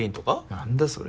何だそれ。